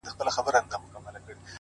• چي په لاسونو كي رڼا وړي څوك،